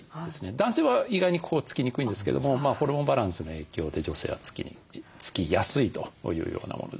男性は意外にここつきにくいんですけどもホルモンバランスの影響で女性はつきやすいというようなものです。